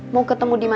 mau ketemu di mana